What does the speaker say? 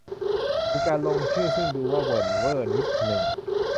มีการลงชื่อ ซึ่งดูว่าเวิ่นเว้อนิดหนึ่ง